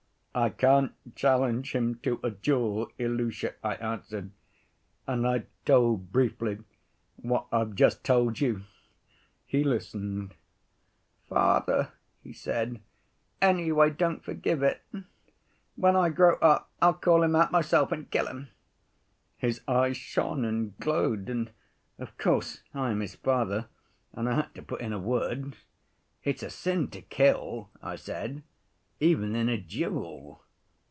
'I can't challenge him to a duel, Ilusha,' I answered. And I told briefly what I've just told you. He listened. 'Father,' he said, 'anyway don't forgive it. When I grow up I'll call him out myself and kill him.' His eyes shone and glowed. And of course I am his father, and I had to put in a word: 'It's a sin to kill,' I said, 'even in a duel.